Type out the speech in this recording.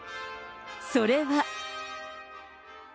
それは。